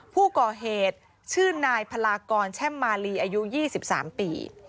ผู้ก่อเหตุชื่อนายพลากรแช่มมาลีอายุ๒๓ปี